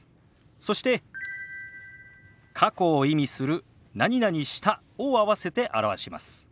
そして過去を意味する「した」を合わせて表します。